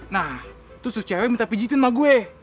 nah terus cewek minta pijitin sama gue